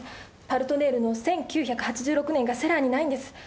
「パルトネール」の１９８６年がセラーにないんです。